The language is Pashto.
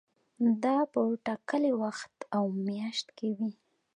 دا په ټاکلي وخت او میاشت کې وي.